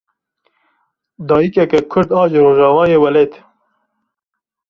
Dayîkeke kurd a ji rojavayê welêt.